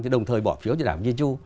thì đồng thời bỏ phiếu cho đảo jeju